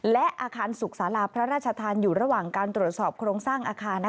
และอาคารสุขศาลาพระราชทานอยู่ระหว่างการตรวจสอบโครงสร้างอาคาร